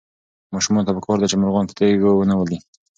ماشومانو ته پکار ده چې مرغان په تیږو ونه ولي.